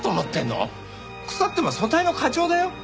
腐っても組対の課長だよ？